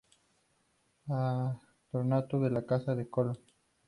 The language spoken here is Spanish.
Patronato de la Casa de Colón.